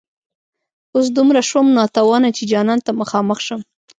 اوس دومره شوم ناتوانه چي جانان ته مخامخ شم